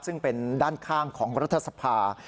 ซึ่งเป็นด้านข้างของรัฐสภา